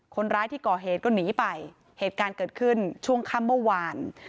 คนร้ายที่ก่อเหตุก็หนีไปเหตุการณ์เกิดขึ้นช่วงค่ำเมื่อวาน